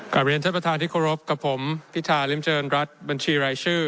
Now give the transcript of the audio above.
เรียนท่านประธานที่เคารพกับผมพิธาริมเจริญรัฐบัญชีรายชื่อ